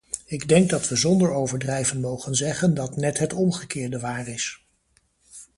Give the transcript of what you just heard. Ik denk dat we zonder overdrijven mogen zeggen dat net het omgekeerde waar is.